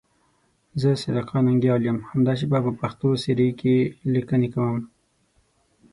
زه سیدآقا ننگیال یم، همدا شیبه په پښتو سیرې کې لیکنه کوم.